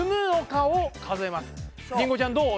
りんごちゃんどう？